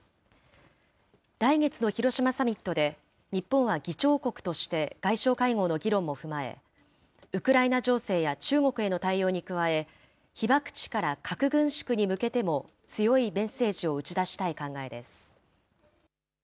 来月の広島サミットで、日本は議長国として、外相会合の議論も踏まえ、ウクライナ情勢や中国への対応に加え、被爆地から核軍縮に向けても強いメッセージを打ち出したい考えです。